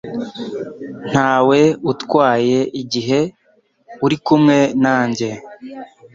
Ntawe utwaye igihe uri kumwe nanjye.